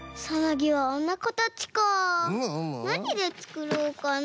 なにでつくろうかな？